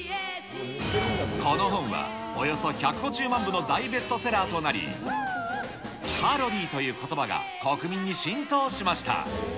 この本はおよそ１５０万部の大ベストセラーとなり、カロリーということばが国民に浸透しました。